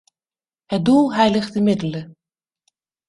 Het doel heiligt de middelen.